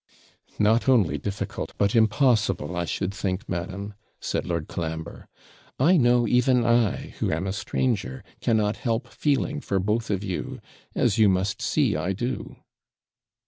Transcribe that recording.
'Not only difficult, but impossible, I should think, madam,' said Lord Colambre; 'I know, even I, who am a stranger, cannot help feeling for both of you, as you must see I do.'